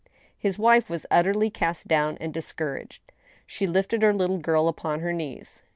His wife was utterly cast down and discouraged ; she lifted her little girl upon her knees.